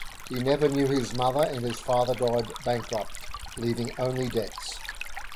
He never knew his mother, and his father died bankrupt, leaving only debts.